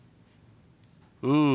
うん。